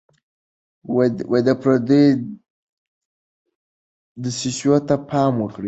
د پردیو دسیسو ته پام کوئ.